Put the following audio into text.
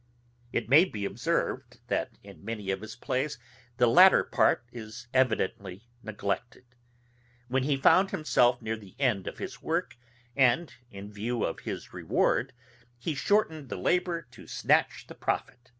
It may be observed, that in many of his plays the latter part is evidently neglected. When he found himself near the end of his work, and, in view of his reward, he shortened the labour to snatch the profit.